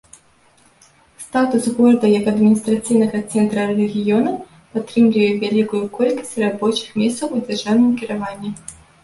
Статус горада як адміністрацыйнага цэнтра рэгіёна падтрымлівае вялікую колькасць рабочых месцаў у дзяржаўным кіраванні.